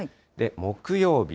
木曜日。